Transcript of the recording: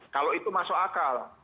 kalau itu masuk akal